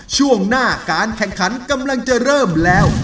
ช่วงหน้าการแข่งขันกำลังจะเริ่มแล้ว